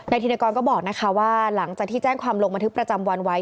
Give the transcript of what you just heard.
ธินกรก็บอกนะคะว่าหลังจากที่แจ้งความลงบันทึกประจำวันไว้